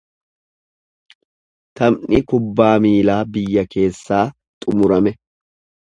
Taphni kubbaa miilaa biyya keessaa xumurame.